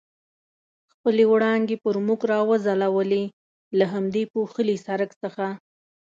خپلې وړانګې پر موږ را وځلولې، له همدې پوښلي سړک څخه.